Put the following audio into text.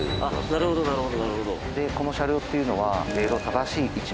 なるほどなるほど。